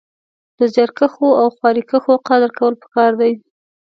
د زيارکښو او خواريکښو قدر کول پکار دی